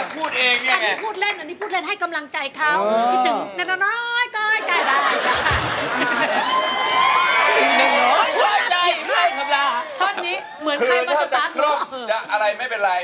คือถ้าจะครบจะอะไรไม่เป็นไร